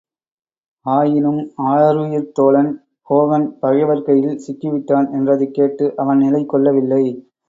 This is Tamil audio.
ஆயினும் ஆருயிர்த்தோழன் ஹோகன் பகைவர் கையில் சிக்கிவிட்டான் என்றதைக் கேட்டு அவன் நிலை கொள்ளவில்லை.